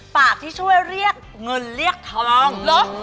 ปากที่ช่วยเรียกเงินเรียกทองเหรอ